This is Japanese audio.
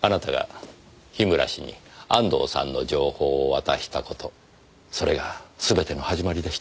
あなたが樋村氏に安藤さんの情報を渡した事それがすべての始まりでした。